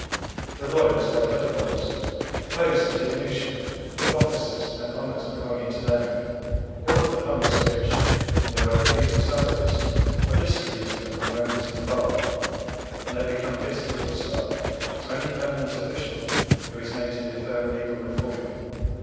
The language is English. The lawyers, like other bodies, oppose the diminution of offices and honours belonging to them, or of the funds which, in the way of fees and salaries, are distributed among members of the bar; and they become bitterly hostile to any permanent official who is known to be a firm legal reformer.